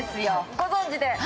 ご存じで。